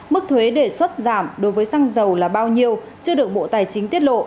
mức thuế đề xuất giảm đối với xăng dầu là bao nhiêu chưa được bộ tài chính tiết lộ